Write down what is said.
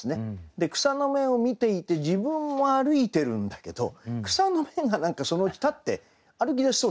で草の芽を見ていて自分も歩いてるんだけど草の芽がそのうち立って歩き出しそうになってるっていう。